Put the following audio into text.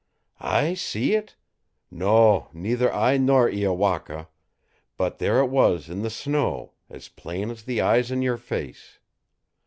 "I see it? No, neither I nor Iowaka; but there it was in the snow, as plain as the eyes in your face.